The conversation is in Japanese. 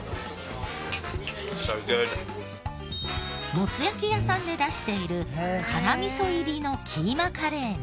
もつ焼き屋さんで出している辛味噌入りのキーマカレーなど。